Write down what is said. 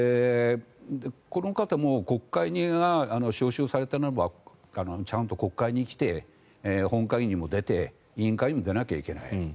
この方も国会が召集されたならばちゃんと国会に来て本会議にも出て委員会にも出なきゃいけない。